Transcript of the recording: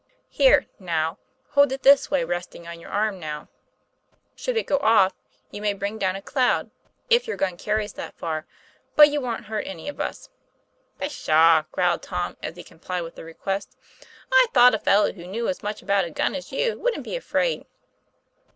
Here, now, hold it this way, resting on your arm; now, should it go off, you may bring down a cloud, if your gun carries that far, but you won't hurt any of us." 'Pshaw!" growled Tom, as he complied with the request, "I thought a fellow who knew as much about a gun as you wouldn't be afraid!"